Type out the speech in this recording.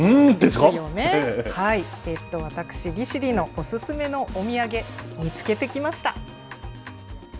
私、利尻のお薦めのお土産、見つけてきました。